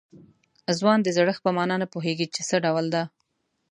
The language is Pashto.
ځوان د زړښت په معنا نه پوهېږي چې څه ډول ده.